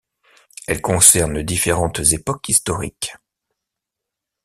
Elle concerne différentes époques historiques.